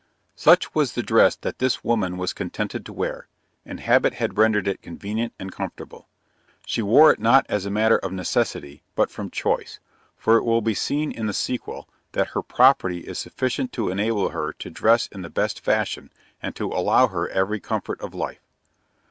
Such was the dress that this woman was contented to wear, and habit had rendered it convenient and comfortable. She wore it not as a matter of t necessity, but from choice, for it will be seen in the sequel, that her property is sufficient to enable her to dress in the best fashion, and to allow her every comfort of life.